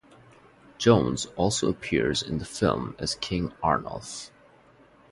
Jones also appears in the film as King Arnulf.